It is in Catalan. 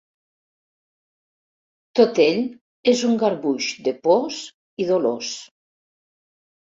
Tot ell és un garbuix de pors i dolors.